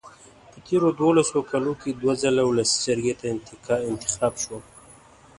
په تېرو دولسو کالو کې دوه ځله ولسي جرګې ته انتخاب شوم.